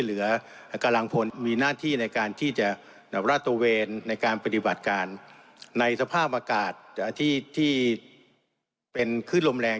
เหลือกำลังคลมมีหน้าที่ในการที่จะรับรัตเวณในการปฏิบัติการในสภาพอากาศอาทิตย์ที่เป็นขึ้นลมแรง